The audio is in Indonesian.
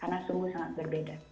karena sungguh sangat berbeda